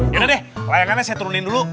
yaudah deh layangannya saya turunin dulu